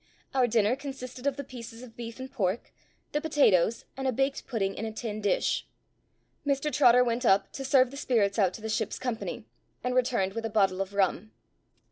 Our dinner consisted of the pieces of beef and pork, the potatoes, and a baked pudding in a tin dish. Mr Trotter went up to serve the spirits out to the ship's company, and returned with a bottle of rum.